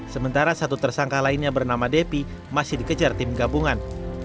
sementara satu tersangka lainnya bernama depi masih dikejar tim gabungan